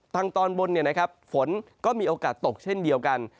ทางตอนบนนะครับฝนก็มีโอกาสตกเช่นเดียวกัน